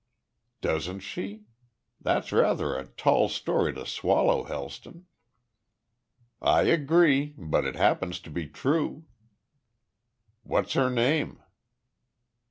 "Doesn't she? That's rather a tall story to swallow, Helston." "I agree. But it happens to be true." "What's her name?"